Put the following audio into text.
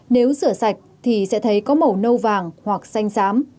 nếu sửa sạch thì sẽ thấy có màu nâu vàng hoặc xanh xám